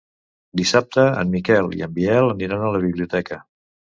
Dissabte en Miquel i en Biel aniran a la biblioteca.